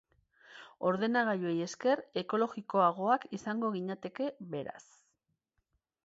Ordenagailuei esker, ekologikoagoak izango ginateke, beraz.